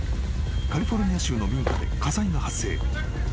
［カリフォルニア州の民家で火災が発生］